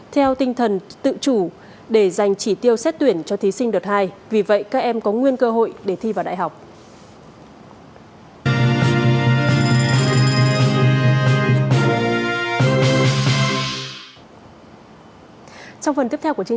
theo tinh thần tự chủ để dành chỉ tiêu xét tuyển cho thí sinh đợt hai